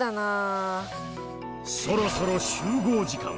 そろそろ集合時間。